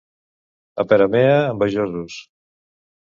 A Peramea, envejosos.